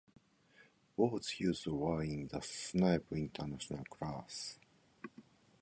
Boats used were in the Snipe international class.